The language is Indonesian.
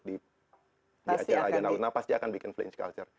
di acara agar launan pasti akan bikin flinch culture